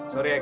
sorry ya kak